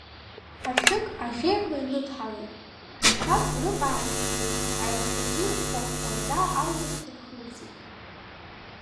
Ашәык аӷьеҩҳәа иныдҳалеит, жәқәак рыҟаабжьы геит, аҩнқәагьы ихәхәа-хәхәаӡа алҩаҵә нырхылҵит.